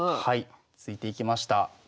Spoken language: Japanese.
はい突いていきました。